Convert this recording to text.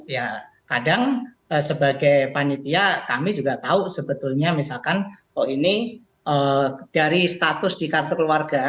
ya kadang sebagai panitia kami juga tahu sebetulnya misalkan oh ini dari status di kartu keluarga